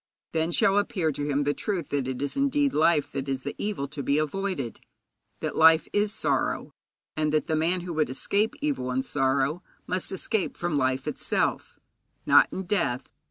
Then shall appear to him the truth that it is indeed life that is the evil to be avoided; that life is sorrow, and that the man who would escape evil and sorrow must escape from life itself not in death.